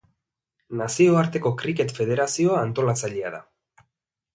Nazioarteko Kriket Federazioa antolatzailea da.